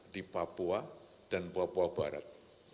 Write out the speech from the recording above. di papua dan papua barat